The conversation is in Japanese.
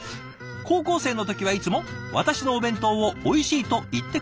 「高校生の時はいつも私のお弁当をおいしいと言ってくれてました。